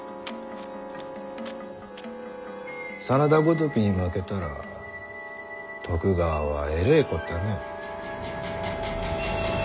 真田ごときに負けたら徳川はえれこったね。